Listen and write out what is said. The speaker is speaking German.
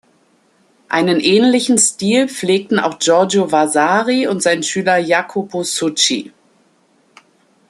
Einen ähnlichen Stil pflegten auch Giorgio Vasari und sein Schüler Jacopo Zucchi.